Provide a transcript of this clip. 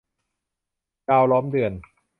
ดาวล้อมเดือน